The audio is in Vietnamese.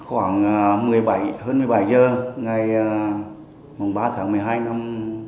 khoảng một mươi bảy h hơn một mươi bảy h ngày ba tháng một mươi hai năm hai nghìn một mươi bảy